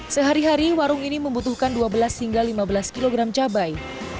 sehari hari warung ini membutuhkan dua belas hingga lima belas kg cabai